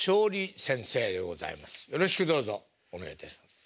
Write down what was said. よろしくどうぞお願いいたします。